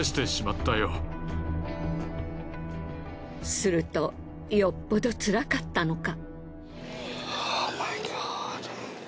するとよっぽどつらかったのか。